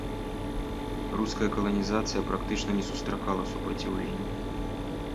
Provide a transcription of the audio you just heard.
Руская каланізацыя практычна не сустракала супраціўлення.